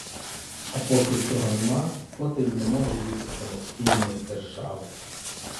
А поки цього нема, поти й не може бути самостійної держави.